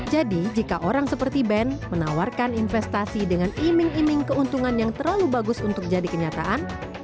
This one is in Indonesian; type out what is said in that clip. jadi jika orang seperti ben menawarkan investasi dengan iming iming keuntungan yang terlalu bagus untuk jadi kenyataan